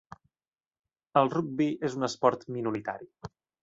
El rugbi és un esport minoritari.